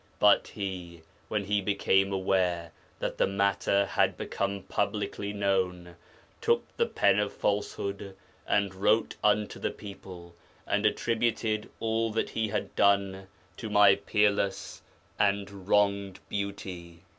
But he, when he became aware that the matter had become publicly known, took the pen of falsehood, and wrote unto the people, and attributed all that he had done to my peerless and wronged Beauty.'